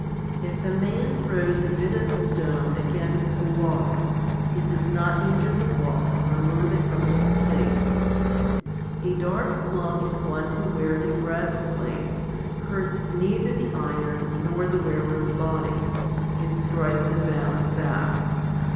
If a man throws a bit of a stone against a wall, it does not injure the wall or move it from its place. A dart flung at one who wears a breast plate hurts neither the iron nor the 146 FIFTY SPIRITUAL HOMILIES wearer's body; it strikes and bounds back.